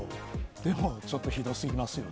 でもちょっとひどすぎますよね。